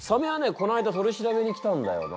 この間取り調べに来たんだよな。